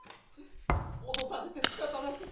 脅されてしかたなく。